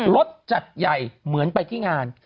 รถจัดใหญ่เหมือนไปที่งาน